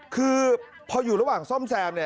คือพออยู่ระหว่างซ่อมแซม